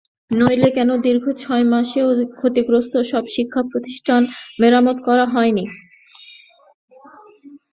নইলে কেন দীর্ঘ ছয় মাসেও ক্ষতিগ্রস্ত সব শিক্ষাপ্রতিষ্ঠান মেরামত করা হয়নি?